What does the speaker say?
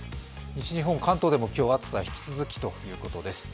西日本、関東でも今日は暑さ引き続きということです。